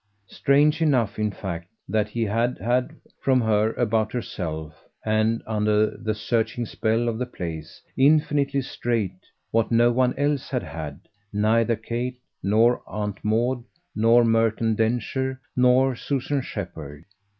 Strange enough in fact that he had had from her, about herself and, under the searching spell of the place, infinitely straight what no one else had had: neither Kate, nor Aunt Maud, nor Merton Densher, nor Susan Shepherd.